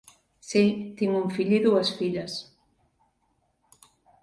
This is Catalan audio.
Sí, tinc un fill i dues filles.